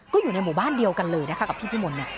ก็อยู่ในหมู่บ้านเดียวกันเลยนะคะกับพี่พิมลเนี่ย